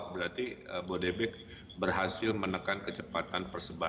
berarti bodebek berhasil menekan kecepatan persebaya